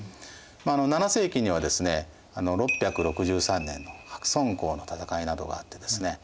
７世紀にはですね６６３年の白村江の戦いなどがあってですね